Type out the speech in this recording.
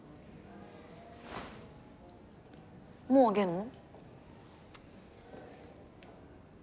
もうあげんの？